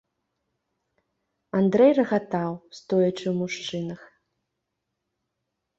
Андрэй рагатаў, стоячы ў мужчынах.